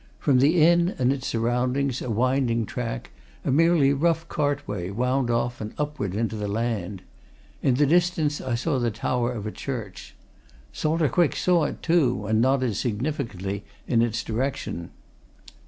From the inn and its surroundings a winding track, a merely rough cartway, wound off and upward into the land; in the distance I saw the tower of a church. Salter Quick saw it, too, and nodded significantly in its direction.